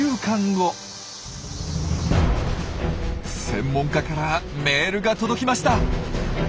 専門家からメールが届きました。